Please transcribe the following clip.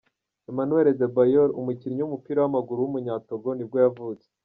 Emmanuel Adebayor, umukinnyi w’umupira w’amaguru w’umunyatogo nibwo yavutse.